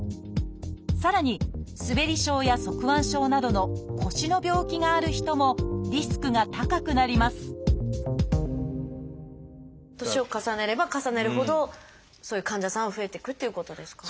さらに「すべり症」や「側弯症」などの腰の病気がある人もリスクが高くなります年を重ねれば重ねるほどそういう患者さんは増えていくっていうことですか？